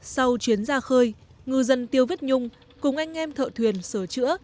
sau chuyến ra khơi ngư dân tiêu viết nhung cùng anh em thợ thuyền sửa chữa